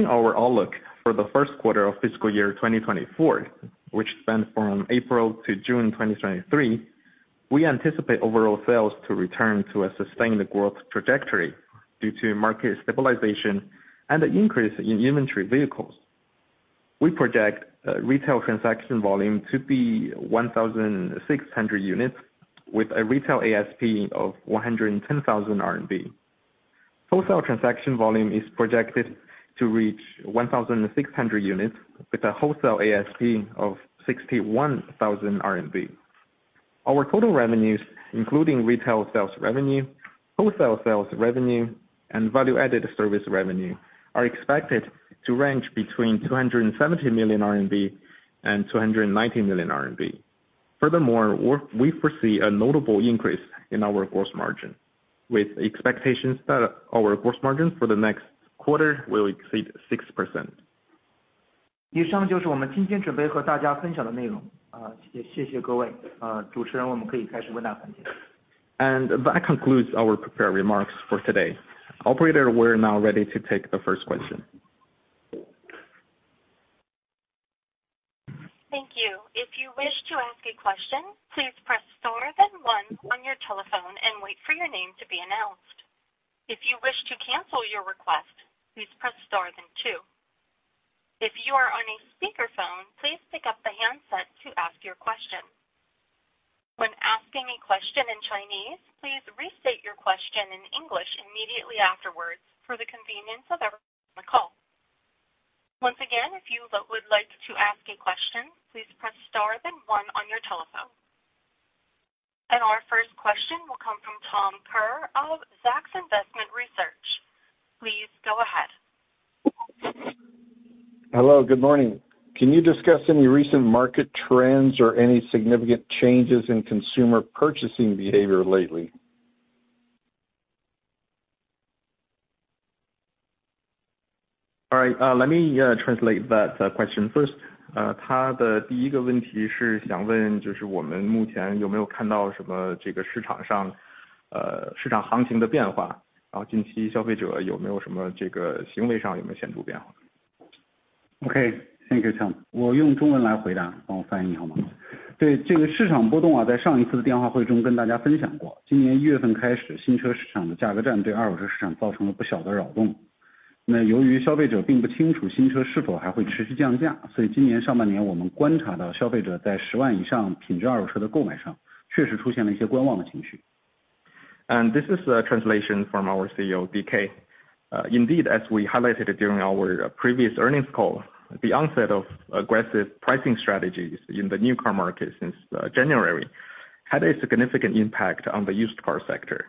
our outlook for the first quarter of fiscal year 2024, which spans from April to June 2023, we anticipate overall sales to return to a sustained growth trajectory due to market stabilization and an increase in inventory vehicles. We project retail transaction volume to be 1,600 units, with a retail ASP of 110,000 RMB. Wholesale transaction volume is projected to reach 1,600 units, with a wholesale ASP of 61,000 RMB. Our total revenues, including retail sales revenue, wholesale sales revenue, and value-added service revenue, are expected to range between 270 million RMB and 290 million RMB. Furthermore, we foresee a notable increase in our gross margin, with expectations that our gross margin for the next quarter will exceed 6%. That concludes our prepared remarks for today. Operator, we're now ready to take the first question. Thank you. If you wish to ask a question, please press star then one on your telephone and wait for your name to be announced. If you wish to cancel your request, please press star then two. If you are on a speakerphone, please pick up the handset to ask your question. When asking a question in Chinese, please restate your question in English immediately afterwards for the convenience of everyone on the call. Once again, if you would like to ask a question, please press star then one on your telephone. And our first question will come from Tom Kerr of Zacks Investment Research. Please go ahead. Hello, good morning! Can you discuss any recent market trends or any significant changes in consumer purchasing behavior lately? All right, let me translate that question first. 他的第一个问题是想 问， 就是我们目前有没有看到什么这个市场 上， 市场行情的变 化， 然后近期消费者有没有什么这 个， 行为上有没有显着变化。Okay, thank you, Tom. 我用中文来回 答， 帮我翻译好 吗？ 对这个市场波动 啊， 在上一次的电话会议中跟大家分享 过， 今年一月份开 始， 新车市场的价格战对二手车市场造成了不小的扰 动. 那由于消费者并不清楚新车是否还会持续降 价， 所以今年上半年我们观察到消费者在 CNY 100,000 以上品质二手车的购买上确实出现了一些观望的情 绪. This is the translation from our CEO, DK. Indeed, as we highlighted during our previous earnings call, the onset of aggressive pricing strategies in the new car market since January, had a significant impact on the used car sector.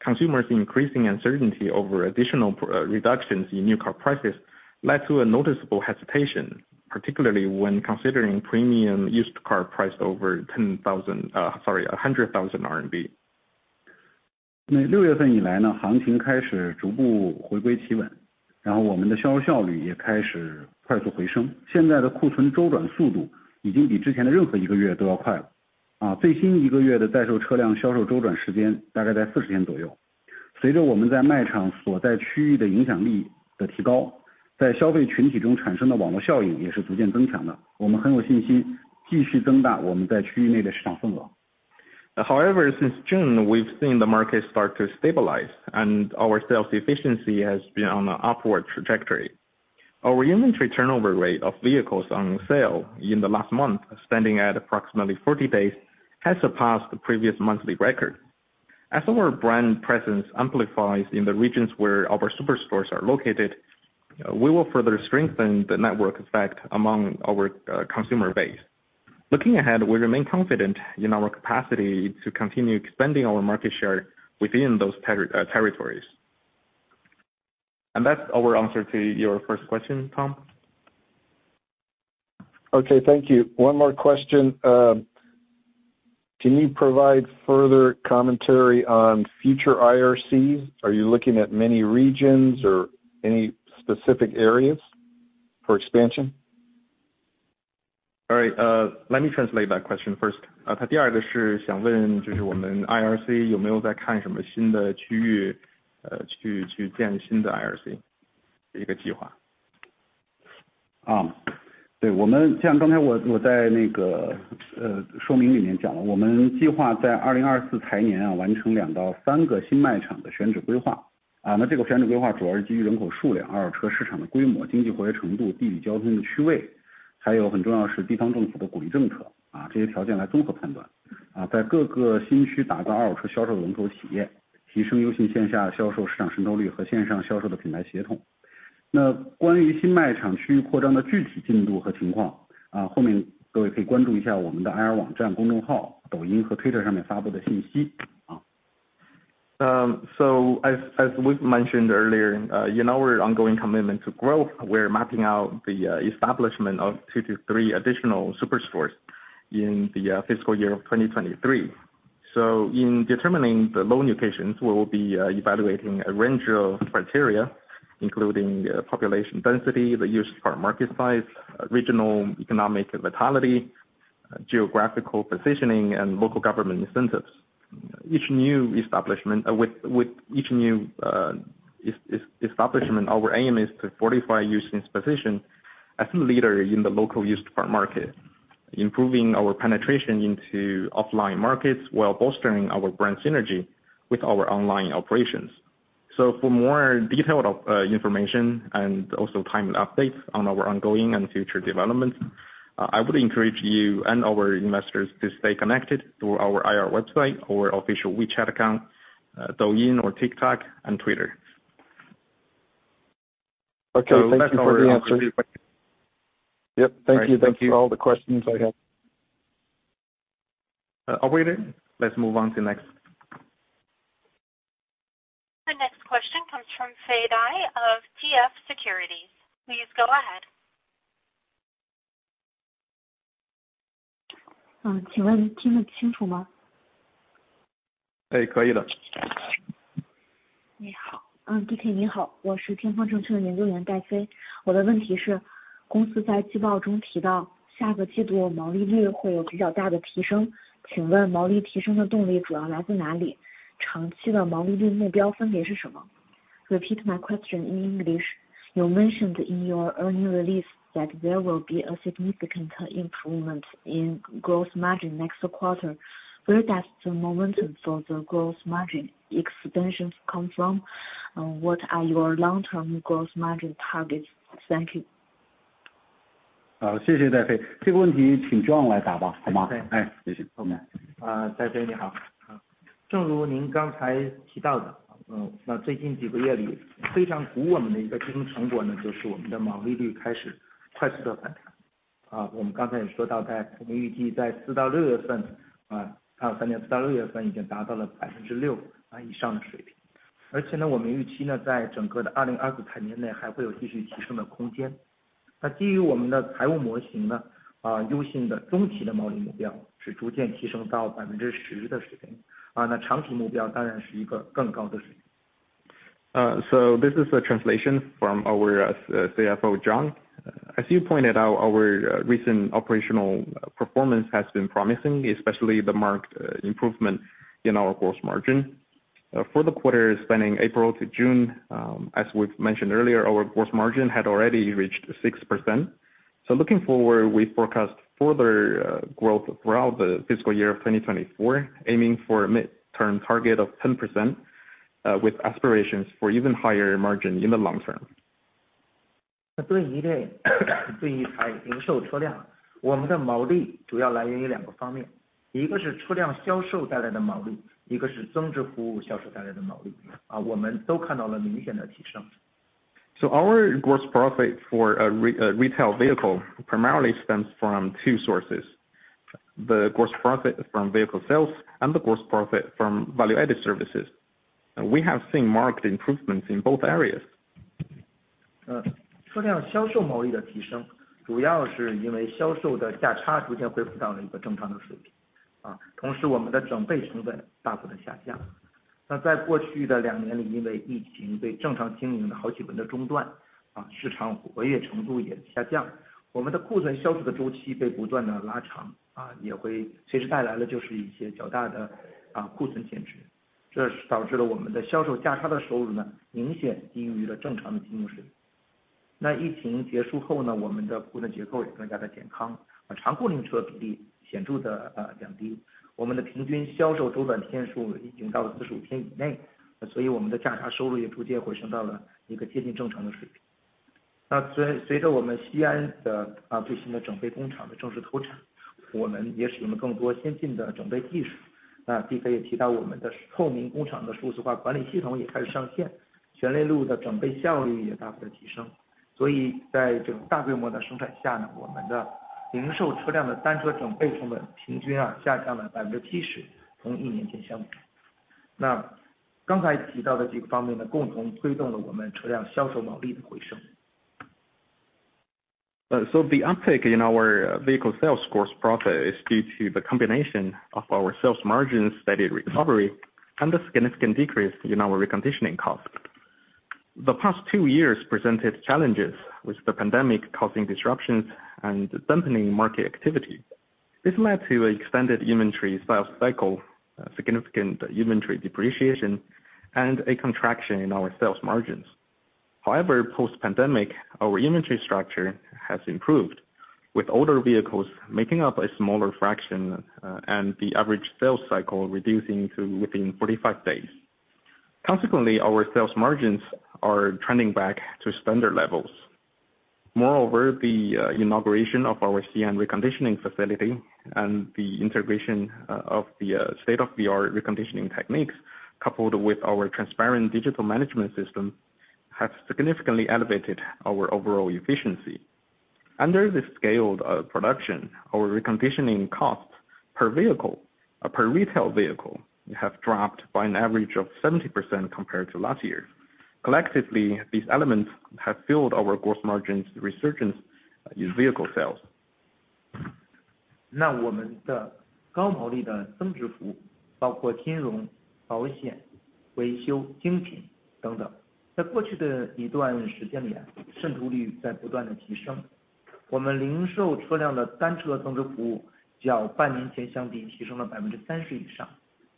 Consumers increasing uncertainty over additional reductions in new car prices led to a noticeable hesitation, particularly when considering premium used car priced over 10,000, sorry, CNY 100,000. 6月份以来 呢, 行情开始逐步回归企 稳, 然后我们的销售效率也开始快速回 升. 现在的库存周转速度已经比之前的任何一个月都要快 了, 最新一个月的在售车辆销售周转时间大概在40天左 右. 随着我们在卖场所在区域的影响力的提 高, 在消费群体中产生的网络效应也是逐渐增强 的, 我们很有信心继续增大我们在区域内的市场份 额. However, since June, we've seen the market start to stabilize and our sales efficiency has been on an upward trajectory. Our inventory turnover rate of vehicles on sale in the last month, standing at approximately 40 days, has surpassed the previous monthly record. As our brand presence amplifies in the regions where our super stores are located, we will further strengthen the network effect among our consumer base. Looking ahead, we remain confident in our capacity to continue expanding our market share within those territories. That's our answer to your first question, Tom. Okay, thank you. One more question. Can you provide further commentary on future IRCs? Are you looking at many regions or any specific areas for expansion? All right, let me translate that question first. 他第二个是想 问， 就是我们 IRC 有没有在看什么新的区 域， 去建新的 IRC 一个计划。对, 我们就像刚才 我, 我在那个说明里面讲 了, 我们计划在2024财 年, 完成2到3个新卖场的选址规 划. 这个选址规划主要是基于人口数量、二手车市场的规模、经济活跃程度、地理交通的区 位, 还有很重要是地方政府的鼓励政 策, 这些条件来综合判 断. 在各个新区打造二手车销售龙头企 业, 提升 Uxin 线下销售市场渗透率和线上销售的品牌协 同. 关于新卖场区域扩张的具体进度和情 况, 后面各位可以关注一下我们的 IR 网站、公众号、抖音和 Twitter 上面发布的信 息. As, as we've mentioned earlier, in our ongoing commitment to growth, we're mapping out the establishment of 2 to 3 additional super stores in the fiscal year of 2023. In determining the loan locations, we will be evaluating a range of criteria, including population density, the used car market size, regional economic vitality, geographical positioning, and local government incentives. Each new establishment... With each new establishment, our aim is to fortify Uxin's position as a leader in the local used car market, improving our penetration into offline markets while bolstering our brand synergy with our online operations. For more detailed information and also timely updates on our ongoing and future developments, I would encourage you and our investors to stay connected through our IR website, our official WeChat account, Douyin or TikTok, and Twitter. Okay, thank you for the answer. Yep。Thank you. Thank you. Thanks for all the questions I have. Are we there? Let's move on to next. The next question comes from Fei Dai of TF Securities. Please go ahead. 请问听得清楚 吗？ 哎， 可以的。你 好， DK 你 好， 我是天风证券的研究员戴飞。我的问题 是， 公司在季报中提到下个季度毛利率会有比较大的提 升， 请问毛利提升的动力主要来自哪 里？ 长期的毛利率目标分别是什 么？ Repeat my question in English, you mentioned in your earnings release that there will be a significant improvement in gross margin next quarter, where that's the momentum for the gross margin expansions come from? What are your long-term gross margin targets? Thank you. 谢谢 Fei Dai. 这个问题请 John 来答 吧, 好 吗? 谢 谢. Fei Dai, 你好。正如您刚才提到 的， 那最近几个月里非常鼓我们的一个经营成果 呢， 就是我们的毛利率开始快速的反弹。我们刚才也说 到， 在我们预计在4到6月 份， 2023年4到6月份已经达到了 6% 以上的水 平， 而且 呢， 我们预期 呢， 在整个的2024财年内还会有继续提升的空间。那基于我们的财务模型 呢， Uxin 的中期的毛利目标是逐渐提升到 10% 的水 平， 那长期目标当然是一个更高的水平。This is a translation from our CFO, John. As you pointed out, our recent operational performance has been promising, especially the marked improvement in our gross margin. For the quarter spending April to June, as we've mentioned earlier, our gross margin had already reached 6%. Looking forward, we forecast further growth throughout the fiscal year 2024, aiming for a mid-term target of 10%, with aspirations for even higher margin in the long term. 对于这 一， 对于零售车 辆， 我们的毛利主要来源于 two 个方 面， one 个是车辆销售带来的毛 利， one 个是增值服务销售带来的毛 利， 我们都看到了明显的提升。Our gross profit for retail vehicle primarily stems from two sources: the gross profit from vehicle sales and the gross profit from value-added services. We have seen marked improvements in both areas. 车辆销售毛利的提 升， 主要是因为销售的价差逐渐恢复到了一个正常的水平。同时我们的整备成本大幅的下降。在过去的2年 里， 因为疫情对正常经营的好几轮的中 断， 市场活跃程度也下 降， 我们的库存销售的周期被不断地拉 长， 也会随之带来了就是一些较大的库存减 值， 这导致了我们的销售价差的收入 呢， 明显低于了正常的经营水平。疫情结束后 呢， 我们的库存结构也更加的健 康， 长库存车的比例显著的降低。我们的平均销售周转天数已经到了45天以 内， 所以我们的价差收入也逐渐回升到了一个接近正常的水平。随着我们 Xi'an 的最新的整备工厂的正式投 产， 我们也使用了更多先进的整备技术。碧飞也提 到， 我们的 Transparent Factory 的数字化管理系统也开始上 线， 全路的整备效率也大幅的提升。所以在这种大规模的生产下 呢， 我们的零售车辆的单车整备成本平均下降了 70%， 同1年前相比。刚才提到的几个方面 呢， 共同推动了我们车辆销售毛利的回升。The uptick in our vehicle sales gross profit is due to the combination of our sales margins, steady recovery and a significant decrease in our reconditioning cost. The past two years presented challenges, with the pandemic causing disruptions and dampening market activity. This led to extended inventory sales cycle, significant inventory depreciation and a contraction in our sales margins. However, post-pandemic, our inventory structure has improved, with older vehicles making up a smaller fraction and the average sales cycle reducing to within 45 days. Consequently, our sales margins are trending back to standard levels. Moreover, the inauguration of our CN reconditioning facility and the integration of the state-of-the-art reconditioning techniques, coupled with our transparent digital management system, have significantly elevated our overall efficiency. Under the scaled production, our reconditioning costs per vehicle, per retail vehicle, have dropped by an average of 70% compared to last year. Collectively, these elements have fueled our gross margins resurgence in vehicle sales. 那我们的高毛利的增值服 务， 包括金融、保险、维修、精品等等。在过去的一段时间 里， 渗透率在不断的提 升， 我们零售车辆的单车增值服务较半年前相比提升了百分之三十以 上，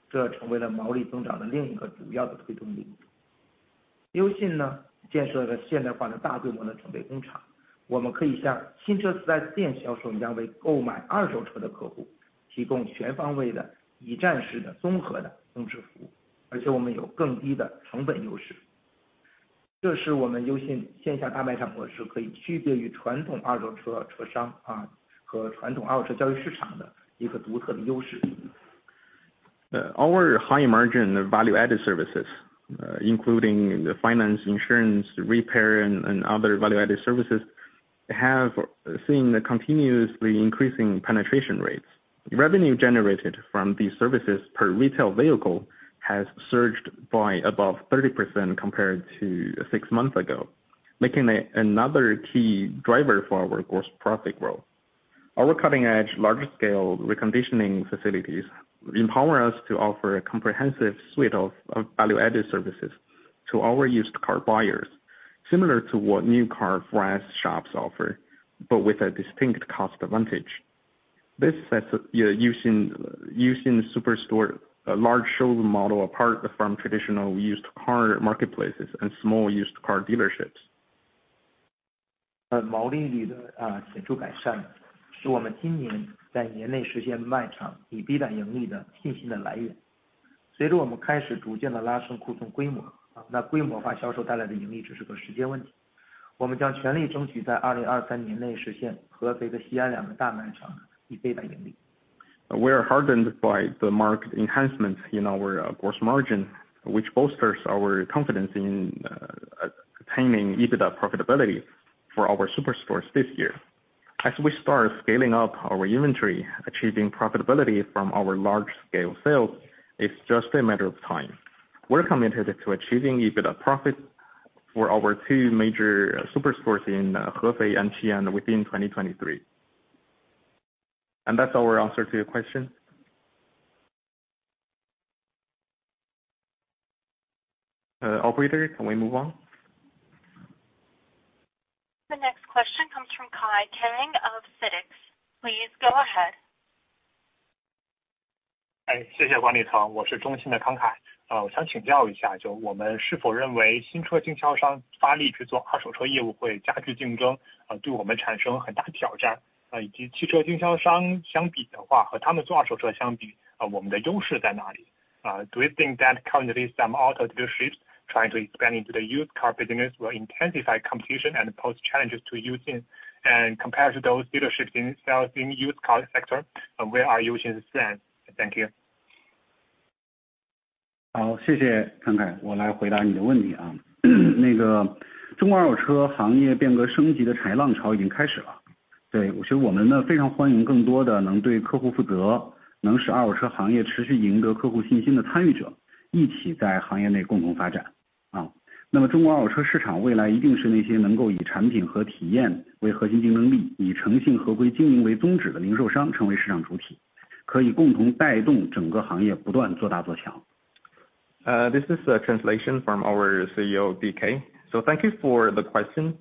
这成为了毛利增长的另一个主要的推动力。优信 呢， 建设了现代化的大规模的整备工 厂， 我们可以像新车 4S 店一 样， 为购买二手车的客户提供全方位的、一站式 的， 综合的增值服 务， 而且我们有更低的成本优势。这是我们优信线下大卖场模式可以区别于传统二手车车商 啊， 和传统二手车交易市场的一个独特的优势。Our high-margin value-added services, including finance, insurance, repair, and other value-added services, have seen a continuously increasing penetration rates. Revenue generated from these services per retail vehicle has surged by above 30% compared to six months ago, making it another key driver for our gross profit growth. Our cutting-edge, large-scale reconditioning facilities empower us to offer a comprehensive suite of value-added services to our used car buyers. Similar to what new car 4S shops offer, with a distinct cost advantage. This sets Uxin superstore large showroom model apart from traditional used car marketplaces and small used car dealerships. 毛利率的啊显著改 善， 是我们今年在年内实现卖场盈利的信心的来源。...随着我们开始逐渐地拉升库存规 模， 啊那规模化销售带来的盈利只是个时间问题。我们将全力争取在2023年内实现合肥和西安两个大卖场 EBITDA 盈利。We are heartened by the market enhancements in our gross margin, which bolsters our confidence in attaining EBITDA profitability for our super stores this year. As we start scaling up our inventory, achieving profitability from our large-scale sales, it's just a matter of time. We're committed to achieving EBITDA profit for our two major super stores in Hefei and Xi'an within 2023. That's our answer to your question. operator, can we move on? The next question comes from Kang Kai of CITIC. Please go ahead. 哎，谢谢管理层，我是CITIC Securities的康凯。想请教一下，就我们是否认为新车经销商发力去做二手车业务会加剧竞争，对我们产生很大的挑战？以及汽车经销商相比的话，和他们做二手车相比，我们的优势在哪里？Do you think that currently some auto dealerships trying to expand into the used car business will intensify competition and pose challenges to Uxin? Compared to those dealerships in sales in used car sector, where are Uxin's strength? Thank you. 好， 谢谢康 凯， 我来回答你的问题啊。那个中国二手车行业变革升级的潮浪潮已经开始了。对， 我觉得我们 呢， 非常欢迎更多的能对客户负 责， 能使二手车行业持续赢得客户信心的参与 者， 一起在行业内共同发展。啊， 那么中国二手车市场未来一定是那些能够以产品和体验为核心竞争 力， 以诚信合规经营为宗旨的零售商成为市场主 体， 可以共同带动整个行业不断做大做强。This is a translation from our CEO, DK. Thank you for the question.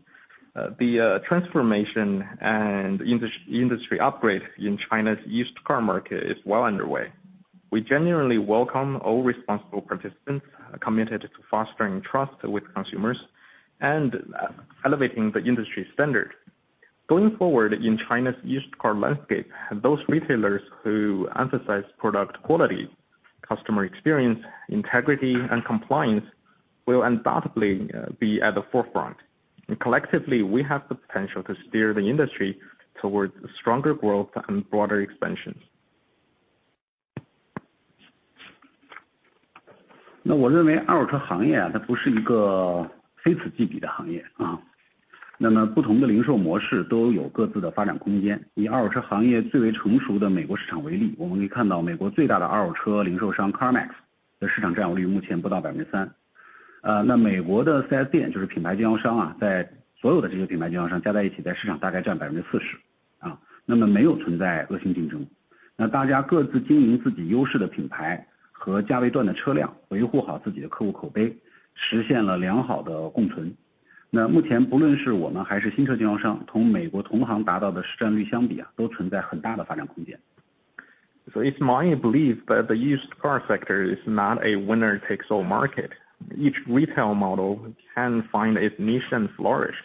The transformation and industry upgrade in China's used car market is well underway. We generally welcome all responsible participants committed to fostering trust with consumers and elevating the industry standard. Going forward, in China's used car landscape, those retailers who emphasize product quality, customer experience, integrity, and compliance will undoubtedly be at the forefront, and collectively, we have the potential to steer the industry towards stronger growth and broader expansion. 我认为二手车行 业， 它不是一个非此即彼的行业。不同的零售模式都有各自的发展空间。以二手车行业最为成熟的美国市场为 例， 我们可以看到美国最大的二手车零售商 CarMax 的市场占有率目前不到 3%。美国的 CSD， 就是品牌经销 商， 在所有的这些品牌经销商加在一 起， 在市场大概占 40%， 没有存在恶性竞 争， 大家各自经营自己优势的品牌和价位段的车 辆， 维护好自己的客户口 碑， 实现了良好的共存。目前不论是我们还是新车经销 商， 同美国同行达到的市占率相 比， 都存在很大的发展空间。It's my belief that the used car sector is not a winner-takes-all market. Each retail model can find its niche and flourish.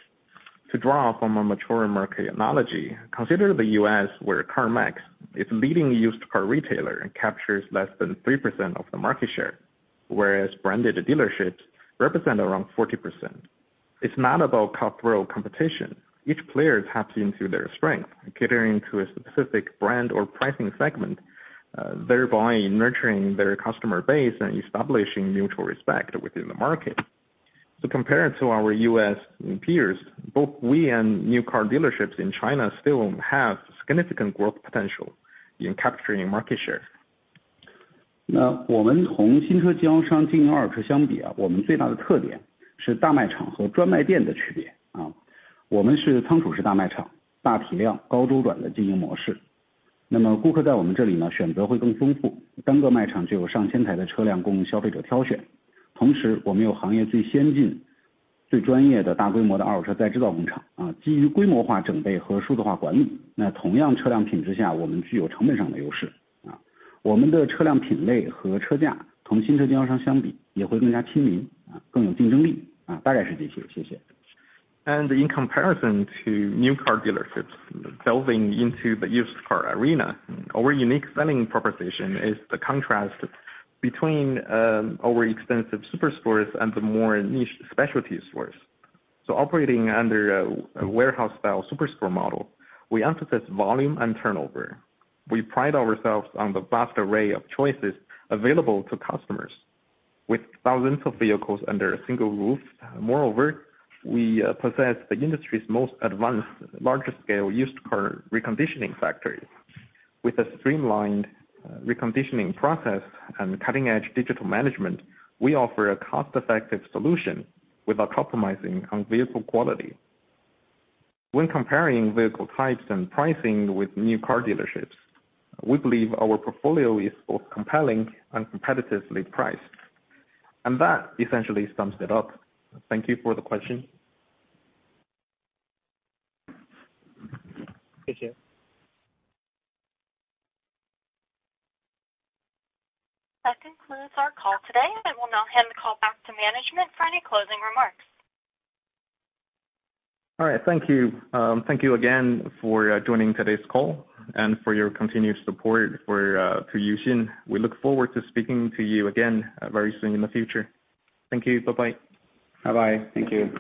To draw from a mature market analogy, consider the U.S., where CarMax is leading used car retailer and captures less than 3% of the market share, whereas branded dealerships represent around 40%. It's not about cutthroat competition. Each player taps into their strength, catering to a specific brand or pricing segment, thereby nurturing their customer base and establishing mutual respect within the market. Compared to our U.S. peers, both we and new car dealerships in China still have significant growth potential in capturing market share. 我们从新车经销商经营二手车相 比， 我们最大的特点是大卖场和专卖店的区别。我们是仓储式大卖 场， 大体量高周转的经营模 式， 顾客在我们这 里， 选择会更丰 富， 单个卖场就有 over 1,000 台的车辆供消费者挑选。同时我们有行业最先进、最专业的大规模的二手车再制造工 厂， 基于规模化整备和数字化管 理， 同样车辆品质 下， 我们具有成本上的优势。我们的车辆品类和车价同新车经销商相 比， 也会更加亲 民， 更有竞争力。大概是这些。谢谢。In comparison to new car dealerships delving into the used car arena, our unique selling proposition is the contrast between our extensive superstores and the more niche specialty stores. Operating under a warehouse style superstore model, we emphasize volume and turnover. We pride ourselves on the vast array of choices available to customers with thousands of vehicles under a single roof. Moreover, we possess the industry's most advanced, larger scale used car reconditioning factories. With a streamlined reconditioning process and cutting-edge digital management, we offer a cost-effective solution without compromising on vehicle quality. When comparing vehicle types and pricing with new car dealerships, we believe our portfolio is both compelling and competitively priced. That essentially sums it up. Thank you for the question. Thank you. That concludes our call today. I will now hand the call back to management for any closing remarks. All right. Thank you. Thank you again for joining today's call and for your continued support for to Uxin. We look forward to speaking to you again very soon in the future. Thank you. Bye-bye. Bye-bye. Thank you.